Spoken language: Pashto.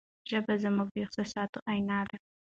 ژبه زموږ د احساساتو آینه ده.